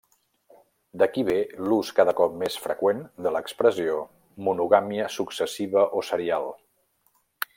D'aquí ve l'ús cada cop més freqüent de l'expressió monogàmia successiva o serial.